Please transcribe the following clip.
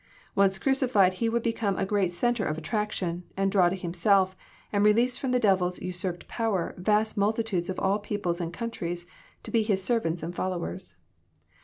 Once crucified, He would become a great centre of attraction, and draw to Himself, and release from the devil's usurped power, vast multitudes of all peoples and countries, to be His servants and followers.